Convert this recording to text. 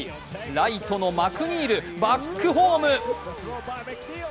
ライトのマクニール、バックホーム。